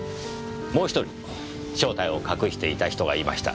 もう１人正体を隠していた人がいました。